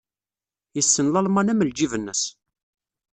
Yessen Lalman am ljib-nnes.